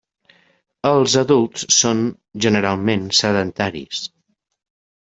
Els adults són, generalment, sedentaris.